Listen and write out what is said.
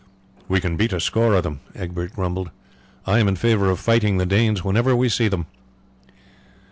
"We can beat a score of them," Egbert grumbled. "I am in favour of fighting the Danes whenever we see them."